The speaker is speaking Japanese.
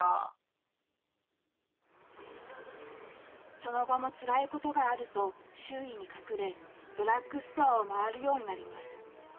その後もつらいことがあると、周囲に隠れ、ドラッグストアを回るようになります。